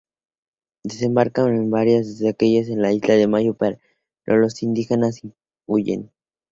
Desembarcan en varias de ellas, descubriendo la isla de Mayo, pero los indígenas huyen.